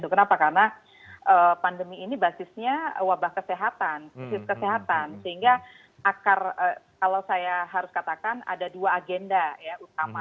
kenapa karena pandemi ini basisnya wabah kesehatan sehingga akar kalau saya harus katakan ada dua agenda